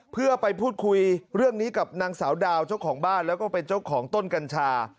เพื่อไปพูดคุยเรื่องนี้กับนางสาวดาวเจ้าของบ้านแล้วก็เป็นเจ้าของต้นกัญชา